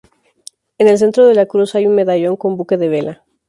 En el centro de la cruz hay un medallón, con buque de vela.